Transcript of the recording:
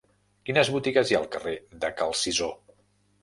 Quines botigues hi ha al carrer de Cal Cisó?